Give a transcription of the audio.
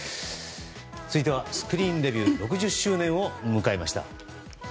続いてはスクリーンデビュー６０周年を迎えました。